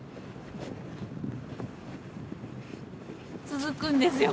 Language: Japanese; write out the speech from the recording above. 続くんですよ